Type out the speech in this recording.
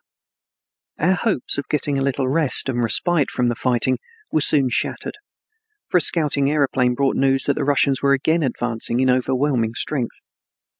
III Our hopes of getting a little rest and respite from the fighting were soon shattered, for a scouting aeroplane brought news that the Russians were again advancing in overwhelming strength.